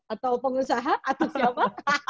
atau pengusaha atau siapa